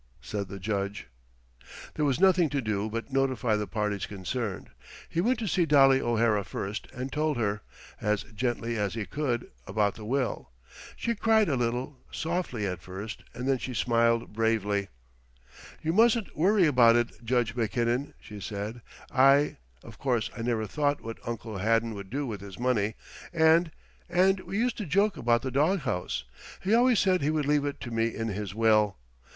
said the Judge. There was nothing to do but notify the parties concerned. He went to see Dolly O'Hara first and told her, as gently as he could, about the will. She cried a little, softly, at first, and then she smiled bravely. "You mustn't worry about it, Judge Mackinnon," she said. "I of course I never thought what Uncle Haddon would do with his money. And and we used to joke about the dog house. He always said he would leave it to me in his will.